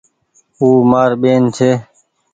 او مآري ٻين ڇي۔